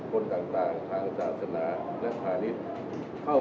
สวัสดีครับสวัสดีครับสวัสดีครับสวัสดีครับ